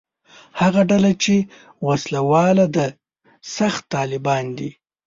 هغه ډله چې وسله واله ده «سخت طالبان» دي.